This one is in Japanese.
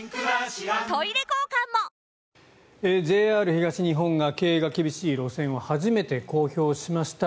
ＪＲ東日本が経営が厳しい路線を初めて公表しました。